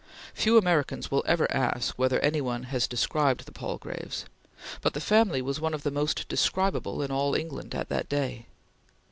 Few Americans will ever ask whether any one has described the Palgraves, but the family was one of the most describable in all England at that day.